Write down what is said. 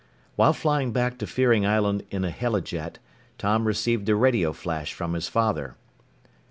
While flying back to Fearing Island in a helijet, Tom received a radio flash from his father.